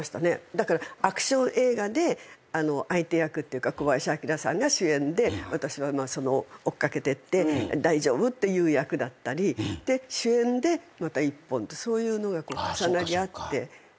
だからアクション映画で相手役っていうか小林旭さんが主演で私は追っ掛けてって「大丈夫？」って言う役だったり。で主演でまた一本ってそういうのが重なり合っていた。